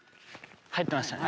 入ってましたね。